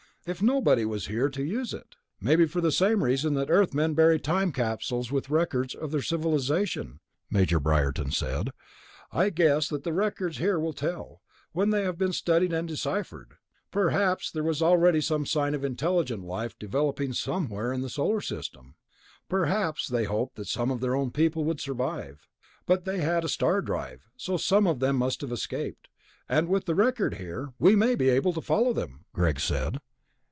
"If nobody was here to use it...." "Maybe for the same reason that Earthmen bury time capsules with records of their civilization," Major Briarton said. "I'd guess that the records here will tell, when they have been studied and deciphered. Perhaps there was already some sign of intelligent life developing elsewhere in the Solar System. Perhaps they hoped that some of their own people would survive. But they had a star drive, so some of them must have escaped. And with the record here...." "We may be able to follow them," Greg said.